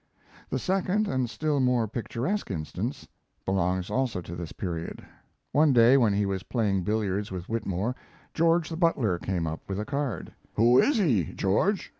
The second, and still more picturesque instance, belongs also to this period. One day, when he was playing billiards with Whitmore, George, the butler, came up with a card. "Who is he, George?"